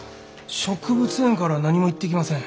植物園からは何も言ってきません。